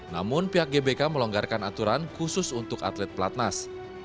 namun pihak gbk melonggarkan aturan khusus untuk atlet pelatnas